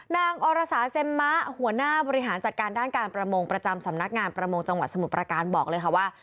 อรสาเซ็มมะหัวหน้าบริหารจัดการด้านการประมงประจำสำนักงานประมงจังหวัดสมุทรประการบอกเลยค่ะว่า